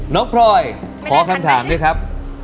พลอยขอคำถามด้วยครับ